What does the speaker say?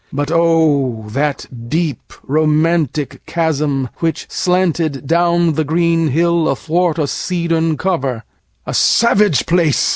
But oh! that deep romantic chasm which slantedDown the green hill athwart a cedarn cover!A savage place!